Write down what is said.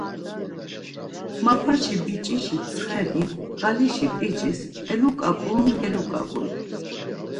Mapaşi biç̌işi tsxeni ğalişi p̌icis eluǩap̌un geluǩap̌un.